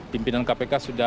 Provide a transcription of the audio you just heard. pimpinan kpk sudah memulai